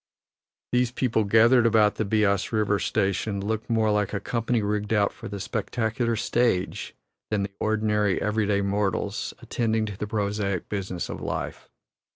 These people gathered about the Beas River station look more like a company rigged out for the spectacular stage than ordinary, everyday mortals attending to the prosaic business of life.